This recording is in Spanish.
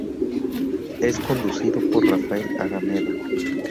Es conducido por Rafael Araneda.